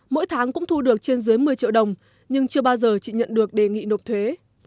mỗi tháng cũng thu được trên dưới một mươi triệu đồng nhưng chưa bao giờ chị nhận được đề nghị nộp thuế